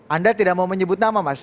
anda tidak mau menyebut nama mas